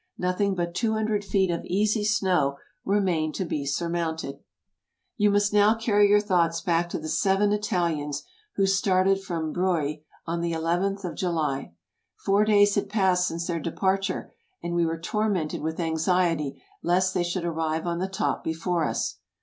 Nothing but two hundred feet of easy snow remained to be surmounted ! You must now carry your thoughts back to the seven Italians who started from Breuil on the eleventh of July. Four days had passed since their departure, and we were tormented with anxiety lest they should arrive on the top before us.